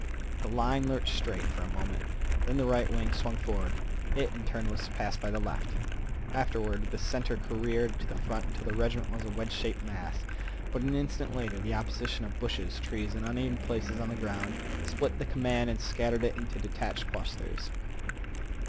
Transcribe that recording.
The line lurched straight for a moment. Then the right wing swung forward; it in turn was surpassed by the left. Afterward the center careered to the front until the regiment was a wedge shaped mass, but an instant later the opposition of the bushes, trees, and uneven places on the ground split the command and scattered it into detached clusters.